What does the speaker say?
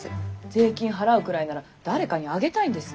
税金払うくらいなら誰かにあげたいんですね。